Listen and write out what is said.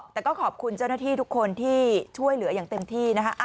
แต่ก็ขอบคุณเจ้าหน้าที่ทุกคนที่ช่วยเหลืออย่างเต็มที่นะคะ